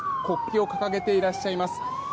国旗を掲げていらっしゃいます。